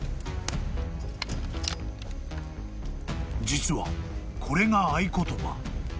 ［実はこれが合言葉］